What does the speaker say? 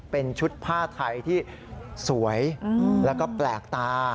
เป็นชุดผ้าไทยที่สวยแล้วก็แปลกตา